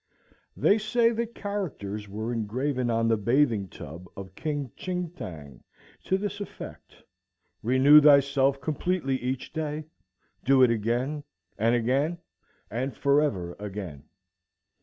They say that characters were engraven on the bathing tub of king Tching thang to this effect: "Renew thyself completely each day; do it again, and again, and forever again."